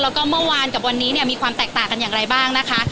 แล้วก็เมื่อวานกับวันนี้เนี่ยมีความแตกต่างกันอย่างไรบ้างนะคะ